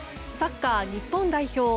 サッカー日本代表